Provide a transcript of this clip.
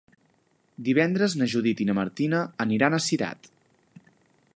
Divendres na Judit i na Martina aniran a Cirat.